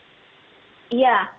apa yang bisa diperhatikan dari pandangnya